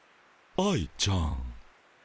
愛ちゃん！